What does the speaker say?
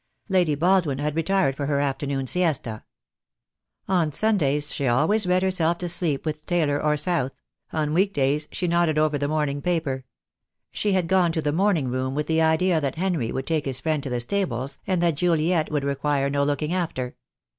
Lady Baldwin had retired for her afternoon siesta. On Sundays she always read herself to sleep with Taylor or South; on week days she nodded over the morning paper. She had gone to the morning room with the idea that Henry would take his friend to the stables, and that Juliet would require no looking after.